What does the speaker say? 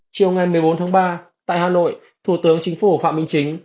chiều ngày một mươi bốn tháng ba tại hà nội thủ tướng chính phủ phạm minh chính